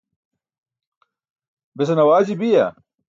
besan awaaji biya?